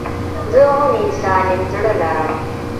زه هم انسان يم زړه لرم